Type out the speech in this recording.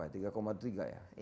tahun ini kan tiga tiga ya